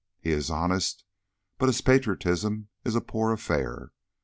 He is honest, but his patriotism is a poor affair.